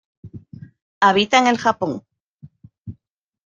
Habita en el Japón.